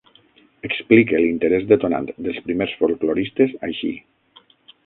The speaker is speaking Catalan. Explique l'interés detonant dels primers folkloristes així: